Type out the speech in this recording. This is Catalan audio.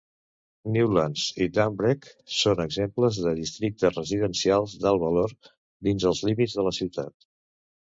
Newlands i Dumbreck són exemples de districtes residencials d'alt valor dins els límits de la ciutat.